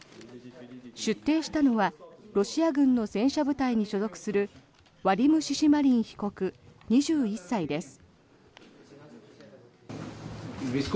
出廷したのはロシア軍の戦車部隊に所属するワディム・シシマリン被告２１歳です。